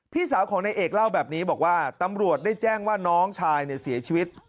พี่สาวของนายเอกเล่าแบบนี้บอกว่าตำรวจได้แจ้งว่าน้องชายเนี่ยเสียชีวิต